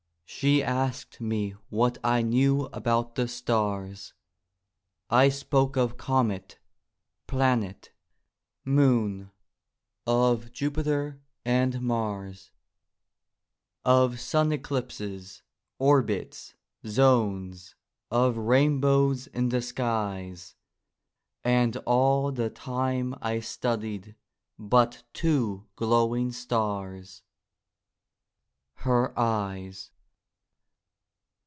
She asked me what I knew about the stars; I spoke of comet, planet, moon, Of Jupiter and Mars; Of sun eclipses, orbits, zones, Of rainbows in the skies; And all the time I studied but Two glowing stars—her eyes.